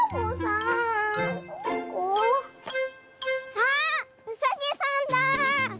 あっうさぎさんだあ！